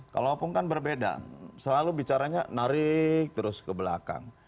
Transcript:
kalau opung kan berbeda selalu bicaranya narik terus ke belakang